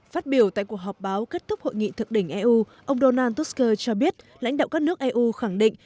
phát biểu tại cuộc họp báo kết thúc hội nghị thượng đỉnh eu ông donald tusk cho biết lãnh đạo các nước eu khẳng định